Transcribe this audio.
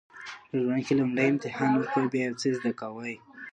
په ژوند کې لومړی امتحان ورکوئ بیا یو څه زده کوئ.